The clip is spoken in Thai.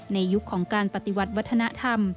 ยุคของการปฏิวัติวัฒนธรรม